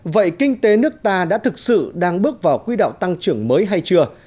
vậy kinh tế nước ta đã thực sự đang bước vào quy đạo tăng trưởng mới hay chưa